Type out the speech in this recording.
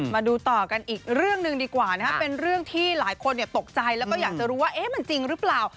มาดูต่อกันอีกเรื่องหนึ่งดีกว่านะครับเป็นเรื่องที่หลายคนตกใจแล้วก็อยากจะรู้ว่ามันจริงหรือเปล่า